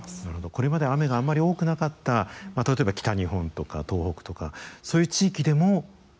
これまで雨があんまり多くなかった例えば北日本とか東北とかそういう地域でも降る可能性がある。